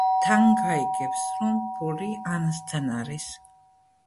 თან გაიგებს, რომ ფული ანასთან არის.